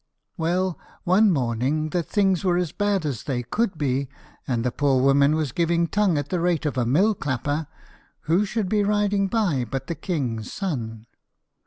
Well, one morning that things were as bad as they could be, and the poor woman was giving tongue at the rate of a mill clapper, who should be riding by but the king's son.